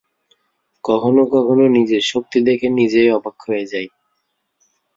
কখনো কখনো নিজের শক্তি দেখে নিজেই অবাক হয়ে যাই।